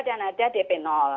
dan ada dp